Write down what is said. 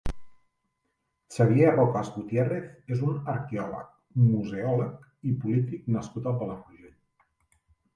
Xavier Rocas Gutiérrez és un arqueòleg, museòleg i polític nascut a Palafrugell.